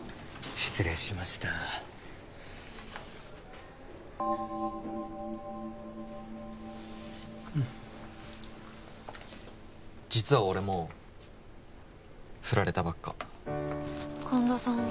失礼しました実は俺もフラれたばっか神田さんが？